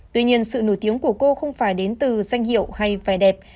tuy nhiên sự nổi tiếng của cô không phải đến từ danh hiệu hay vẻ đẹp